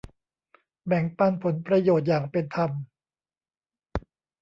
แบ่งปันผลประโยชน์อย่างเป็นธรรม